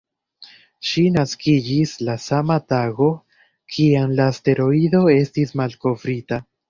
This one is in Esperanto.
Ŝi naskiĝis la sama tago, kiam la asteroido estis malkovrita.